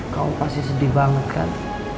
kau pasti sedih banget kan